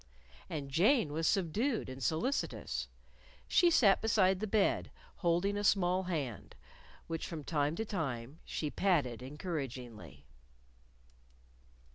And Jane was subdued and solicitous. She sat beside the bed, holding a small hand which from time to time she patted encouragingly.